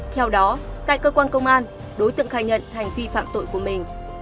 theo đó tại cơ quan công an đối tượng khai nhận hành vi phạm tội của mình